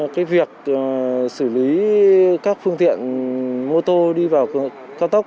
cái việc xử lý các phương tiện mô tô đi vào cao tốc